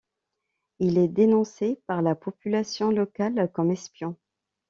Il est dénoncé par la population locale comme espion.